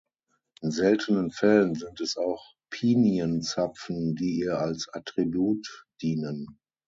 In seltenen Fällen sind es auch Pinienzapfen, die ihr als Attribut dienen.